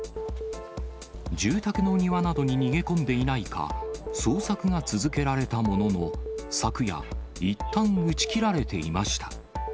住宅の庭などに逃げ込んでいないか、捜索が続けられたものの、昨夜、いったん打ち切られていました。